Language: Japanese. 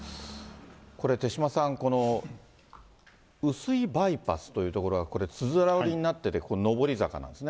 これ、手嶋さん、碓氷バイパスという所は、つづら折りになっていて上り坂なんですね。